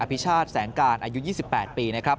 พิชาติแสงการอายุ๒๘ปีนะครับ